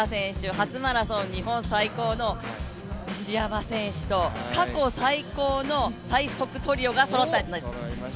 初マラソン日本最高の西山選手と過去最高の最速トリオがそろったんです。